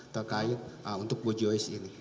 terkait untuk bu joyce ini